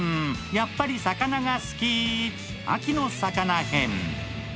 やっぱり魚が好き、秋の魚編。